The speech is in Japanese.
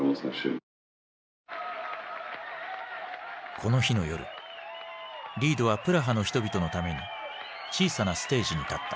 この日の夜リードはプラハの人々のために小さなステージに立った。